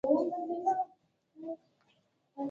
د نور پرمختګ هڅې یې روانې دي.